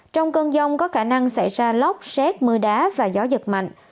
trong cơn dông có khả năng xảy ra lóc xét mưa đá và gió giật mạnh